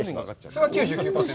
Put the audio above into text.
それは９９％？